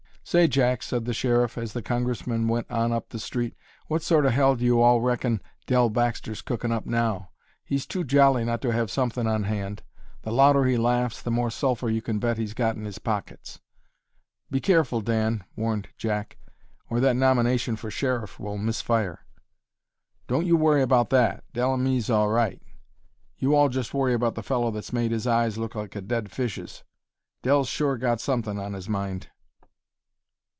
"Say, Jack," said the sheriff, as the Congressman went on up the street, "what sort o' hell do you all reckon Dell Baxter's cookin' up now? He's too jolly not to have somethin' on hand. The louder he laughs the more sulphur you can bet he's got in his pockets." "Be careful, Dan," warned Jack, "or that nomination for sheriff will miss fire." "Don't you worry about that Dell an' me's all right; you all just worry about the fellow that's made his eyes look like a dead fish's. Dell's sure got somethin' on his mind."